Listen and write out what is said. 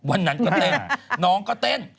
วันนั้นก็เต้นน้องก็เต้น